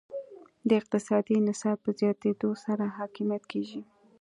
د اقتصادي انحصار په زیاتیدو سره حاکمیت کمیږي